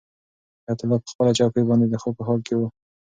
حیات الله په خپله چوکۍ باندې د خوب په حال کې و.